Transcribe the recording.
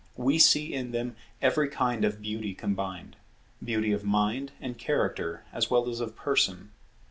We see in them every kind of beauty combined; beauty of mind and character as well as of person.